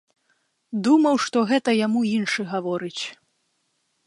Думаў, што гэта яму іншы гаворыць.